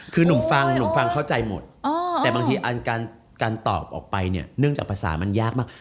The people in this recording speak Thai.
คือหนุ่มฟังเข้าใจหมดแต่บางทีการตอบออกไปเนื่องจากภาษามันยากมาก